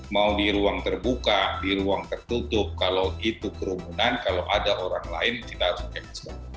mau di ruang terbuka di ruang tertutup kalau itu kerumunan kalau ada orang lain kita harus ekspor